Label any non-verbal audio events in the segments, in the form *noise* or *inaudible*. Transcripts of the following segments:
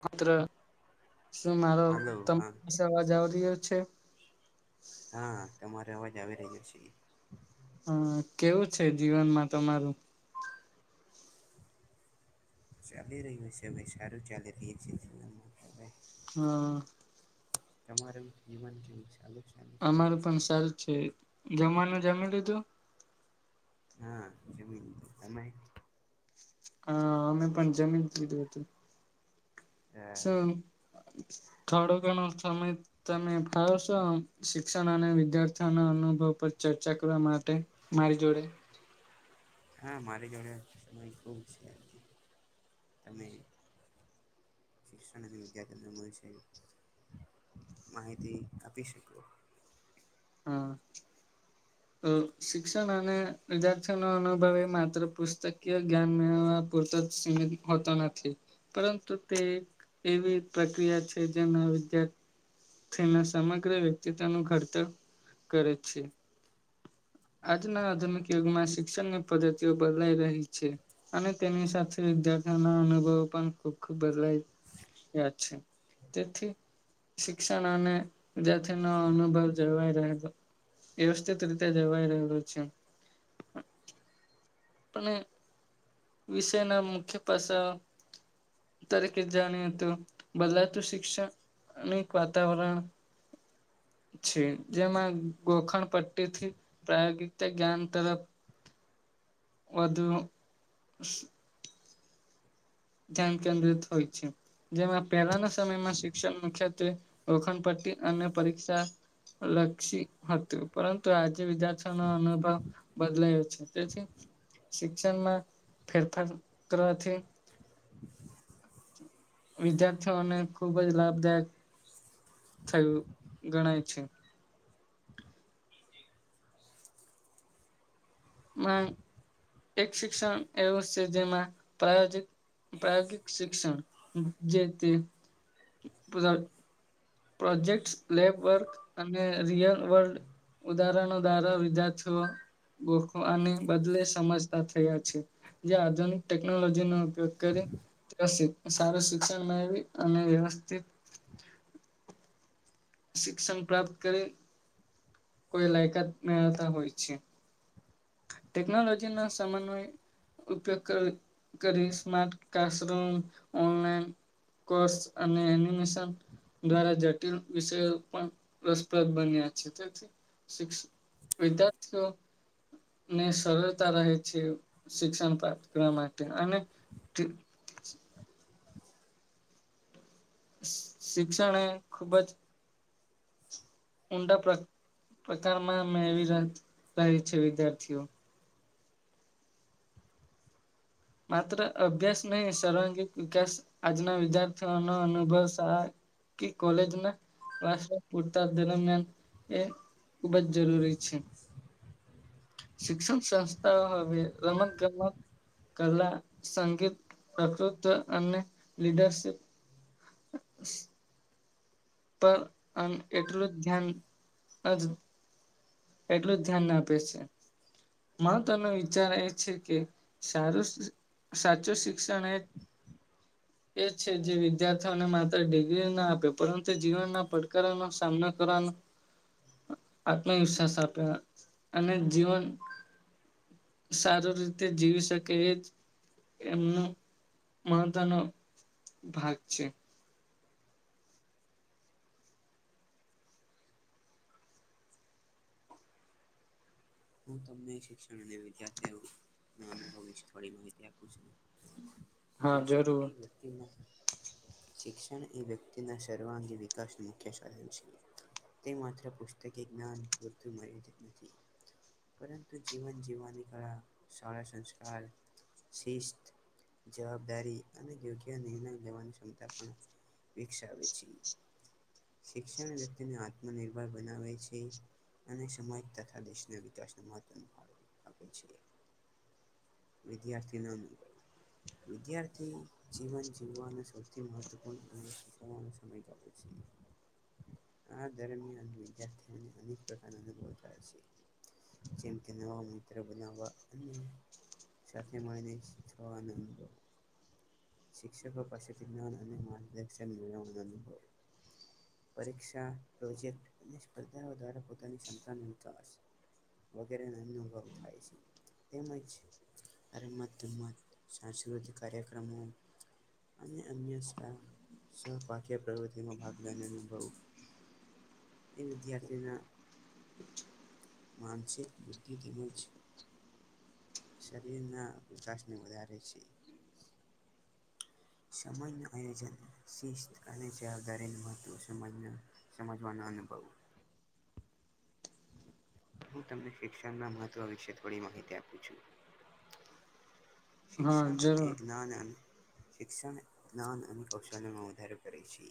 માત્ર શું મારો હલો તમા હા પાસ અવાજ આવી રહ્યો છેે. હા, તમારો અવાજ આવી રહ્યો છે. હન કેવું છે જીવનમાં તમારું? ચાલી રહ્યું છે ભઈ સારું ચાલી રહ્યું છે જીવનમાં હવે. હન. તમારું જીવન કેવું ચાલુ છે? અમારું પણ સારું છે. જમવાનું જમી લીધું? હા, જમી લીધુ. તમે? હા, અમે પણ જમી લીધું હતું. શું થોડો ઘણો સમય તમે ફાવશો. શિક્ષણ અને વિદ્યાર્થીઓના અનુભવ પર ચર્ચા કરવા માટે મારી જોડે. હા, મારી જોડે સમય ખુબ છે. તમે શિક્ષણ વિ *unintelligible* માહિતી આપી શકો. હમ. તો શિક્ષણ અને વિદ્યાર્થીઓના અનુભવે માત્ર પુસ્તકીય જ્ઞાન પૂરતુ જ સીમિત હોતુ નથી. પરંતુ તે એક એવી પ્રક્રિયા છે જેના વિદ્યાર થીના સમગ્ર વ્યક્તિત્વનું ઘડતર કરે છે. આજના આધુનિક યુગમાં શિક્ષણની પદ્ધતિઓ બદલાઈ રહી છે. અને તેની સાથે ા ના અનુભવો પણ ખૂબ બદલાઈ રહ્યા છે તેથી *unintelligible* શિક્ષણ અને વિદ્યાર્થી નો અનુભવ જળવાઈ રહેલો વ્યવસ્થિત રીતે દેવાય રહ્યું છે-અને વિશેય ના મુખ્ય પાસા તરીકે જ જાણી હતું ભલાતું શિક્ષણ અનેક વાતાવરણ છે જેમાં ગોખણ પટ્ટી થી પ્રાયોગિકતા જ્ઞાન તરફ વધુ ધ્યાન કેન્દ્રિત હોય છે. જેમાં પહેલાના સમયમાં શિક્ષણ મુખ્યત્વે રખણ પટ્ટી અને પરીક્ષા લક્ષી હતું પરંતુ આજે વિદ્યાર્થીઓ ન અનુભવ બદલાયો તે શિક્ષણમાં ફેરફાર કરવાથી *inaudible* વિદ્યાર્થીઓને ખુબ જ લાભદાયક થયું ગણાય છે. માગ એક શિક્ષણ એવું છે જેમાં પ્રાયજિત પ્રાયોગિક શિક્ષણ જે તી *unintelligible* પ્રોજેક્ટ, લેબવર્ક અને રિયલ વર્લ્ડ ઉદાહરણો ધારો વિધાર્થી ઓ ગોખુ આને બદલે સમજતા થયા છે. જે આધુનિક ટેકનોલોજી નો ઉપયોગ કરી વ્યવસ્થ સારું શિક્ષણ મેળવી અને વ્યવસ્થિત *unintelligible* શિક્ષણ પ્રાપ્ત કરી કોઈ લાયકાત મેળવતા હોય છે. ટેકનોલોજી ના સમમાન્ય ઉપયોગ કરી smart class room online course અને એનિમેશન દ્વારા જટિલ વિષયો પણ રસપ્રદ બન્યા છે તેથી શિકષ વિદ્યાર્થીઓ ને સરળતા રહે છે શિક્ષણ પ્રાપ્ત કરવા માટે અને *unintelligible* શિક્ષણ એ ખુબ જ ઊંડા પ્રકારમાં મે એવી રહય છે વિદ્યાર્થીઓ માત્ર અભ્યાસ નહી સર્વાંગિક વિકાસ આજના વિદ્યાર્થીઓનો અનુભવ સારા કે કોલેજ ના ક્સ પતા દન એ ખુબ જ જરૂરી છે. શિક્ષણ સંસ્થાઓ હવે રમત ગમ કલા સંગીત પ્રકૃતવ અને લીડરશીપ *inaudible* પર એટલું જ ધ્યાન જ એટલું જ ધ્યાન ના આપે છે. મા તમે વિચાર એ છે કે સારું સાચું શિક્ષણ એ એ છે જે વિદ્યાર્થીઓને માત્ર ડિગ્રી ના આપે પરંતુ જીવનના પડકારોનોો સામનો કરવાનો આત્મવિશ્વાસ આપ્યા અને જીવન સારો રીતે જીવી શકે એજ્ એમનો મહત્વનો ભાગ છે. હું તમને શિક્ષણ અને વિદ્યાર્થીઓ ના અનુભવ વિશે થોડી માહિતી આપું છું. હમ *unintelligible* શિક્ષણ એ વ્યક્તિ ન શિક્ષણ એ વ્યક્તિના સર્વાંગી વિકાસનું મુખ્ય સાધન છે તે માત્ર પુસ્તકે જ્ઞાન પૂરતું મર્યાત નથી પરંતુ જીવન જીવાની કળા સળા સંસ્કાર શિસ્ત જવાબદારી અને યોગ્ય નિર્ણય લેવાની ક્ષમતા પણ વિકસાવે છે શિક્ષણ વ્યક્તિને આત્મનિર્ભર બનાવે છે અને સમાજ તથા દેશના *unintelligible* વિધાથી આપ વિદ્યાર્થીનુ વિદ્યાર્થી જીવન જીવવાનો સૌથી મહવપૂર્ણ સમય છે હ *unintelligible* આ દરમિયાન વિદ્યાર્થીને અનેક પ્રકાર અનુભવ થાય છે જેમ કે નવા મુદ્ર બના અને સાથે માને શીખવા અનુભવ શિક્ષકો પશુતીનાને માર્ગદર્શન પરીક્ષા પ્રોજેક્ટ અને સ્પર્ધાઓ દ્વારા પોતાની ક્ષમતાનો વિકાસ વગેરે ન અનુભવ થાય છે તેમજ અરામત ધમ સાંસ્કૃતિક કાર્યક્રમો અને અન્ય સહપ્ય પ્રવૃતિમાં ભાગ લેને અનુભવ એ વિધાથીના માનસિક બુદ્ધિ તેમજ શરીર ના વિકાસને વધારે છે સમજ ન આયોજન શિસ્ત અને જવાબદારી ન મહત્વ સમજ સમજવાનો હનુભવ *inaudible* હું તમને શિક્ષણના મહત્ત્વ વિશે થોડી માહિતી આપું છું હા શિક્ષણ એ જરૂર જ્ઞાનંદ શિક્ષણ જ્ઞાન અને કૌશલમાં વધારે કરે છે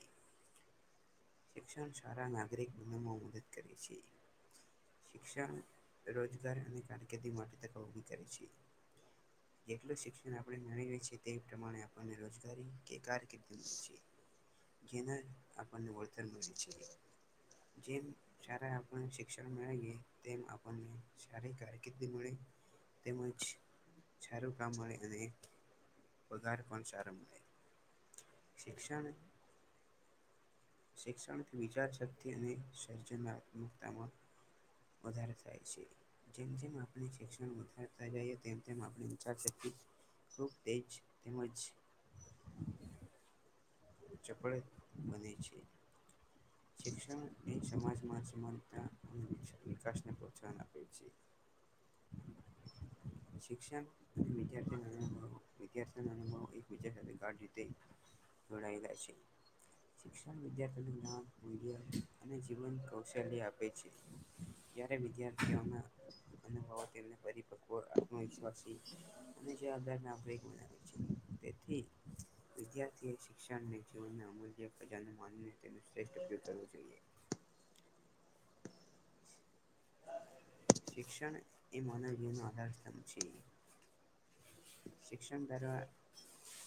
શિક્ષણ સારા નાગરિક બનવામાં મદદ કરે છે શિક્ષણ રોજગાર અને કારકિર્દી માટે તક ઊભી કરે છે જેટલું શિક્ષણ આપણે ભણી લઈએ છીએ તે પ્રમાણે આપણને રોજગારી કે કારકેટલુ મળે છે જેના આપણને વળતર મળે છે જેમ શાળા આપણ શિક્ષણ મળેએ તેમ આપણને શારી કારકિર્દી મળે તેમજ સારું કામ મળે અને પગાર પણ સારો મળે શિક્ષણ શિક્ષણ વિચાર શક્તિ અને સર્જનાત્મકતામાં વધારે થાય છે જેમ જેમ આપણે શિક્ષણ વધારતા જઈએ તેમ તેમ આપણે વિચાર શક્તિ ખૂબ તેજ તેમજ *inaudible* ચપળે બને છે શિક્ષણને સમાજમાં સમાનતા અને વિક્ વિકાસને પ્રોત્સાહન આપે છે *inaudible* શિક્ષણ અને વિધાથી નો અ અનુભવ એક સાથે જોડાયેલા છે શિક્ષણ વિદ્યાર્થી નુ જ્ઞાન વિઘાથીઓ અને જીવન કૌશલ્ય આપે છે જ્યારે વિદ્યાર્થીઓના *unintelligible* તેથી વિધાથી શિક્ષણ *unintelligible* ટિસ્તપ ન કરવુ જોઈએ શિક્ષણ એ માનવ જીવનનો આધાર સ્તભ છે શિક્ષણ દરવા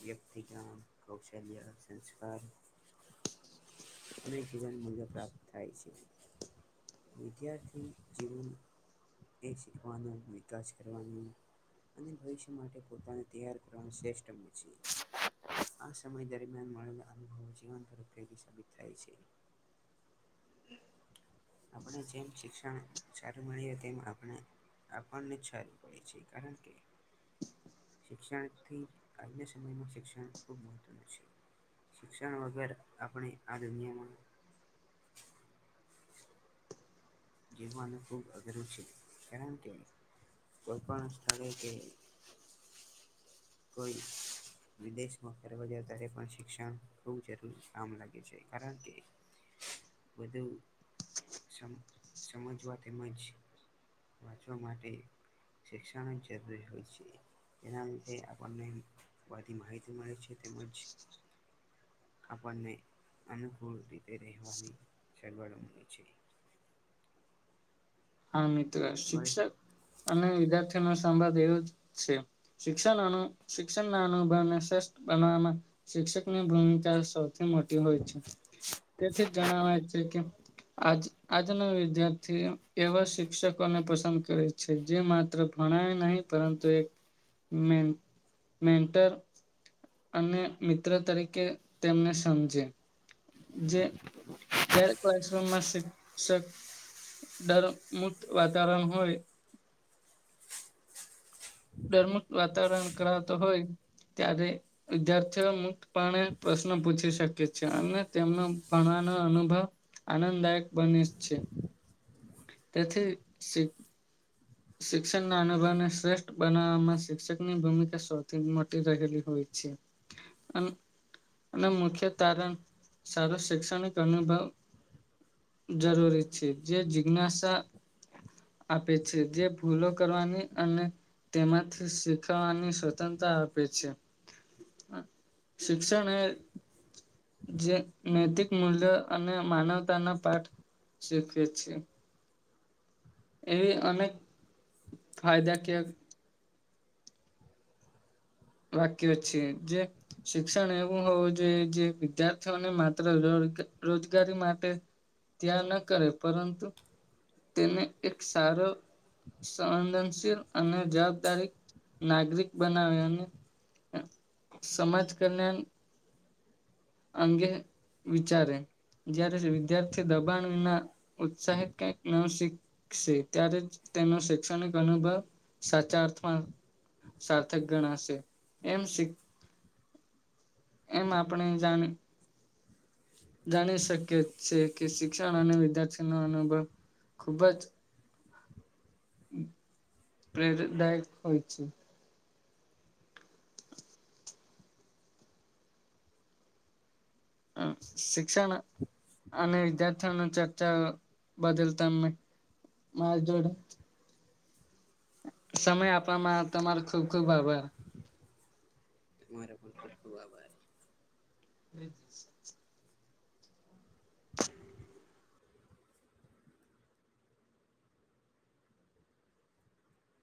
વ્યક્તિગઞ કૌશલ્ય સંસ્કાર અનેક વિજન મૂલ્ય પ્રાપ્ત થાય છે વિદ્યાર્થી જેવુ એ શીખવાનું વિકાસ કરવાનું અને ભવિષ્ય માટે પોતાની તૈયાર કરવાનું શ્રેષ્ઠ હો છે આ સમય દરમિયાન મળેલા અનુભવો જીવન તરફેગ સાબિત થાય છે *inaudible* આપણે જેમ શિક્ષણ જયારે મળીએ તેમ આપને આપણને સારું હોય છે કારણ કે શિક્ષણથી આજના સમયમાં શિક્ષણ ખૂબ મહત્વનું છે શિક્ષણ વગર આપણે આ દુનિયામાં *inaudible* જીવવાનું ખૂબ અઘરું છે કારણકે કોઈ પણ સ્થળે કે કોઈ વિદેશમાં ફરવા ગયા ત્યારે પણ શિક્ષણ ખૂબ જરૂરી કામ લાગે છે કારણ કે બહુ સમ સમજવા તેમજ વાંચવા માટે શિક્ષણ જ જરૂરી હોય છે તેનાે આપણને બી માહિતી મળે છે તેમજ આપણને અનુકૂળ રીતે રહેવાની સરબર છે હા મિત્રો શિક્ષક અને વિદ્યાર્થી નો સંભંધ એવો જ છે શિક્ષણ શિક્ષણના અનુભવને શ્રેષ્ઠ બનવામાં શિક્ષકની ભૂમિકા સ મોટી હોય છે તેથી જણાવે છે કે આ આજનો વિદન- છે એવા શિક્ષકોને પસંદ કરે છે જે માત્ર ભણાય નહી પરંતુ એક મે મેન્ટર અને મિત્ર તરીકે તેમને સમજે જે જારે્રમમાં શિક્ષક ડર મુક્ત વાતાવરણ હોય દરમુકત વાતાવરણ કરાવતો હોય ત્યારે વિદ્યાર્થીઓ મુક્તપણે પ્રશ્ન પૂછી શકે છે અને તેમને ભણ નો અનુભવ આનંદદાયક બને છે તેથી શ શિક્ષણ ના અનુભવને શ્રેષ્ઠ બનાવવામાં શિક્ષક ની ભૂમિકા સૌથી મોટી રહેલી હોય છે અને અને મુખ્ય કારણ સારો શૈક્ષણિક અનુભવ જરૂરી છે જે જિજ્ઞાસા આપે છે જે ભૂલો કરવાની અને તેમાંથી શીખવાની સ્વતંત્રતા આપે છે હ શિક્ષણ જે નૈતિક મૂલ્યો અને માનવતાના પાઠ શીખે છે એવી અનેક ફાયદા કે વાક્ય છે જે શિક્ષણ એવું હોવ જે જે વિદ્યાર્થી ઓને માત્ર રોજગારી માટે ત્યાં ન કરે પરંતુ તેને એક સારો સંવેદનશીલ અને જવાબદારી નાગરિક બનાવે અને સમાજ કલ્યાણ અંગે વિચારે જ્યારે વિદ્યાર્થી દબાણમાં ઉત્સાહિત કઈક ના શીખશે ત્યારે જ તેનો શૈક્ષણિક અનુભવ સાચા અર્થમાં સાર્થક ગણાશે એમ શ એમ આપણે જાણી જાણી શકીએ છે કે શિક્ષણ અને વિદ્યાર્થી નો અનુભવ ખુબ જ પ્રેરતદાયક હોય છે. હ શિક્ષણ અને વિદ્યાર થી ન ચર્ચા બદલ તમે મારી જોડે. સમય આપવામાં તમારો ખુબ ખુબ આભાર. તમારો પણ ખુબ ખુબ આભાર. હમ. *inaudible*